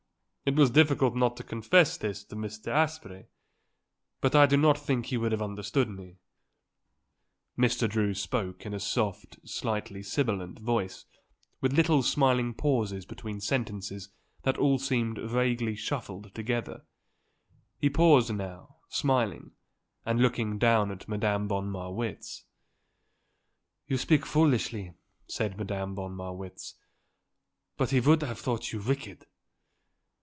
It was difficult not to confess this to Mr. Asprey; but I do not think he would have understood me." Mr. Drew spoke in a soft, slightly sibilant voice, with little smiling pauses between sentences that all seemed vaguely shuffled together. He paused now, smiling, and looking down at Madame von Marwitz. "You speak foolishly," said Madame von Marwitz. "But he would have thought you wicked."